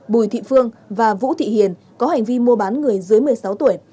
bùi thị phương và vũ thị hiền có hành vi mua bán người dưới một mươi sáu tuổi